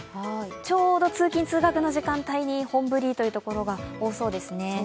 ちょうど通勤通学の時間帯に本降りという所が多そうですね。